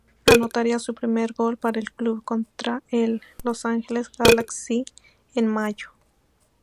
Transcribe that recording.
Anotaría su primer gol para el club contra el Los Angeles Galaxy en mayo.